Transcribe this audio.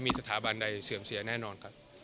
มีสถาบันใดเสื่อมเสียแน่นอนครับ